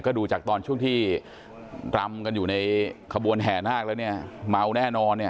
ก็ดูจากตอนช่วงที่รำกันอยู่ในขบวนแห่นาคแล้วเนี่ยเมาแน่นอนเนี่ย